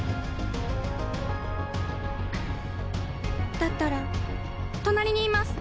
だったらとなりにいます！